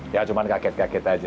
ya cuma kaget kaget aja